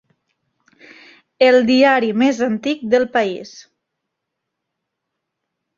El diari més antic del país.